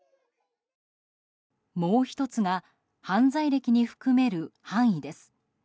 もう１つが犯罪歴に含める範囲です。